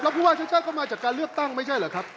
ผู้ว่าชาติชาติก็มาจากการเลือกตั้งไม่ใช่เหรอครับ